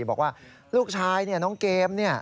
บอกว่าลูกชายน้องเกม